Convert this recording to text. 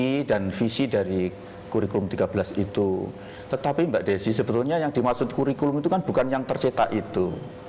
ini dan visi dari kurikulum tiga belas itu tetapi mbak desi sebetulnya yang dimaksud kurikulum itu kan bukan yang tercetak itu